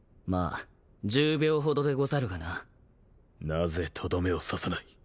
なぜとどめを刺さない？